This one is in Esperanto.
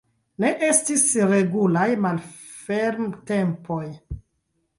Ne estis regulaj malfermtempoj.